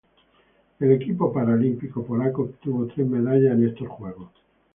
El equipo paralímpico polaco obtuvo tres medallas en estos Juegos.